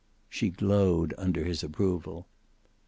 She glowed under his approval.